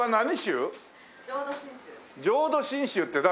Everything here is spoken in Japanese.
浄土真宗って誰？